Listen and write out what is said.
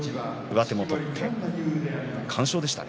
上手も取って完勝でした。